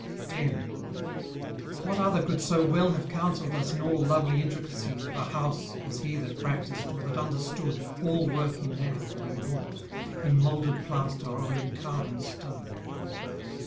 10 What other could so well have counselled us In all lovely intricacies of a house As he that practised or that understood All work in metal or in wood, In moulded plaster or in carven stone?